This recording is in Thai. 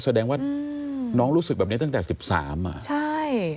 แสดงว่าน้องรู้สึกแบบนี้ตั้งแต่๑๓อ่ะใช่